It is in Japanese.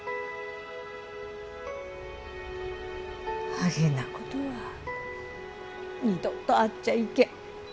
あげなことは二度とあっちゃいけん。